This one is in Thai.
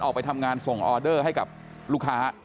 ออกไปทำงานส่งออเดอร์ให้กับลูกค้า